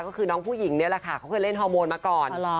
ก็คือน้องผู้หญิงนี่แหละค่ะเขาเคยเล่นฮอร์โมนมาก่อน